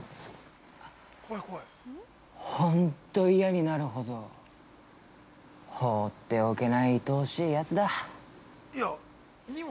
本当、嫌になるほど、放っておけないいとおしいやつだ。